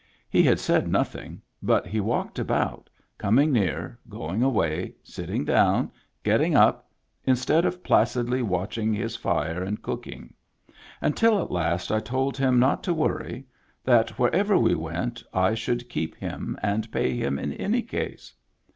He had said nothing, but he walked about, coming near, going away, sitting down, getting up, instead of placidly watching his fire and cooking; until at last I told him not to worry, that wherever we went I should keep him and pay him in any case.